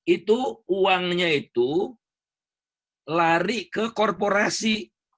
itu uangnya itu lari ke korporasi